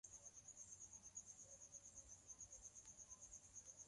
Heshimukazi ya mwenzako kama yako